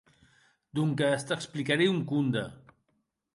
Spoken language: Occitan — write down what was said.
Donques t'explicarè un conde.